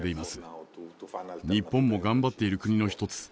日本も頑張っている国の一つ。